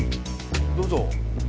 どうぞ。